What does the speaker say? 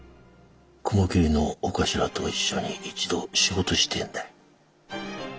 雲霧のお頭と一緒に一度仕事してえんだ。